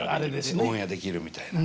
オンエアできるみたいな。